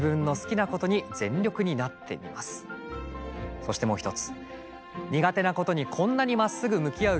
そしてもう一つ。